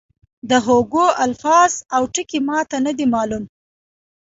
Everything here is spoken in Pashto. د هوګو الفاظ او ټکي ما ته نه دي معلوم.